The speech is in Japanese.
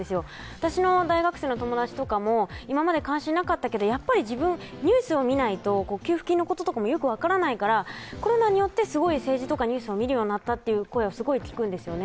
私の大学生の友達とかも、今まで関心がなかったけどやっぱりニュースを見ないと給付金のことなんかもよく分からないからコロナによってすごい政治とかニュースを見るようになったという声を聞くんですよね。